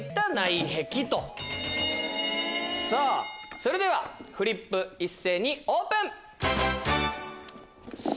それではフリップ一斉にオープン！